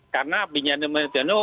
karena benjamin nadinehu